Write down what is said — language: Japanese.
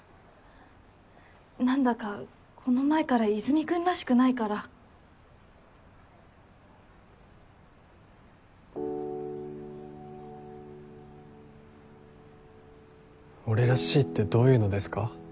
何だかこの前から和泉君らしくないから俺らしいってどういうのですか？